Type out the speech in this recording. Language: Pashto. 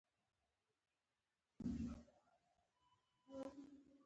دوی ټراکټورونه او بسونه جوړوي.